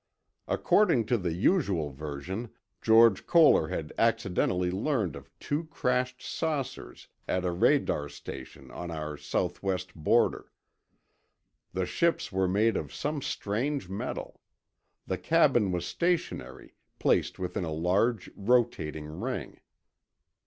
According to the usual version, George Koehler had accidentally learned of two crashed saucers at a radar station on our southwest border. The ships were made of some strange metal. The cabin was stationary, placed within a large rotating ring.